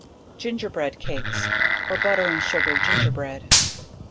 Gingerbread Cakes, or butter and sugar Gingerbread.